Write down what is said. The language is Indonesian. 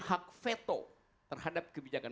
hak veto terhadap kebijakan